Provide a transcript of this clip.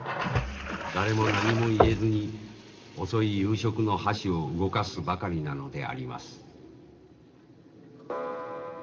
誰も何も言えずに遅い夕食の箸を動かすばかりなのであります。